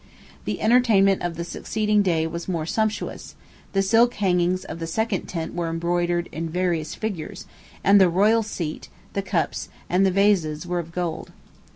The entertainment of the succeeding day was more sumptuous; the silk hangings of the second tent were embroidered in various figures; and the royal seat, the cups, and the vases, were of gold.